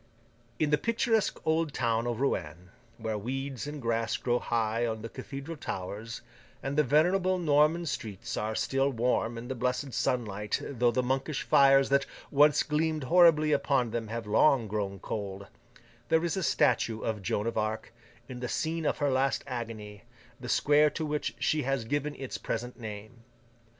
In the picturesque old town of Rouen, where weeds and grass grow high on the cathedral towers, and the venerable Norman streets are still warm in the blessed sunlight though the monkish fires that once gleamed horribly upon them have long grown cold, there is a statue of Joan of Arc, in the scene of her last agony, the square to which she has given its present name.